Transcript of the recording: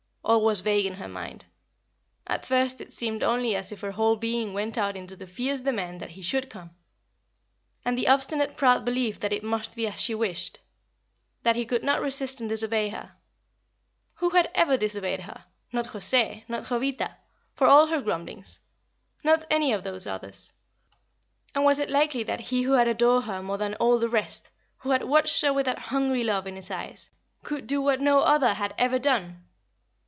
All was vague in her mind. At first it seemed only as if her whole being went out into the fierce demand that he should come, and the obstinate proud belief that it must be as she wished that he could not resist and disobey her. Who had ever disobeyed her? Not José; not Jovita, for all her grumblings; not any of those others. And was it likely that he who had adored her more than all the rest, who had watched her with that hungry love in his eyes, could do what no other had ever done?